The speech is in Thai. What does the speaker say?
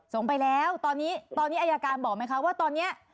ส่งไปแล้วตอนนี้ตอนนี้อายการบอกไหมคะว่าตอนนี้